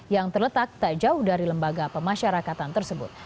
yang terletak tak jauh dari lembaga pemasyarakatan tersebut